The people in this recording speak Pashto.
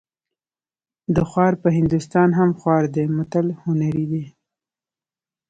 د خوار په هندوستان هم خوار دی متل هنري دی